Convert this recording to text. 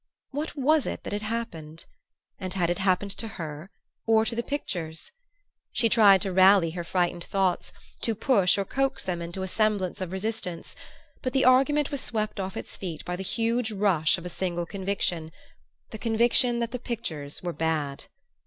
What was it that had happened? And had it happened to her or to the pictures? She tried to rally her frightened thoughts; to push or coax them into a semblance of resistance; but argument was swept off its feet by the huge rush of a single conviction the conviction that the pictures were bad.